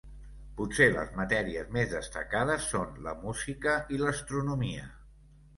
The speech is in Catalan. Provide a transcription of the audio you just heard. Potser les matèries més destacades són la música i l'astronomia.